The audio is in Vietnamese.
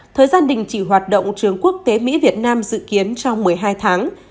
thời gian đình chỉ hoạt động trường quốc tế mỹ việt nam dự kiến trong một mươi hai tháng